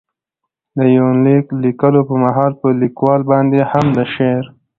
دې يونليک ليکلو په مهال، په ليکوال باندې هم د شعر.